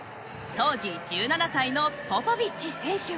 当時１７歳のポポビッチ選手は。